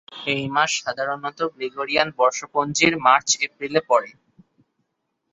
এই মাস সাধারণত গ্রেগরিয়ান বর্ষপঞ্জির মার্চ-এপ্রিলে পড়ে।